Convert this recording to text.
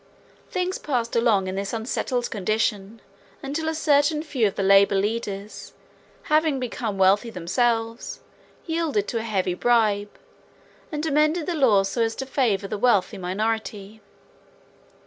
Things passed along in this unsettled condition until a certain few of the labor leaders, having become wealthy themselves, yielded to a heavy bribe and amended the laws so as to favor the wealthy minority.